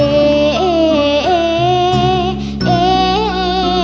เอ่ย